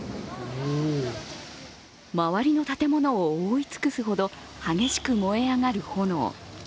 周りの建物を覆い尽くすほど激しく燃え上がる炎。